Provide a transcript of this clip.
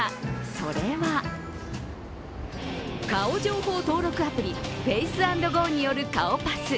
それは顔情報登録アプリ、フェイス＆ゴーによる顔パス。